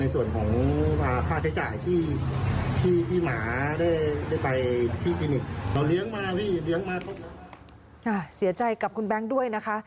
เสียใจกับคุณแบงค์ด้วยนะคะ